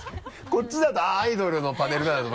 こっちだとアイドルのパネルなんだって。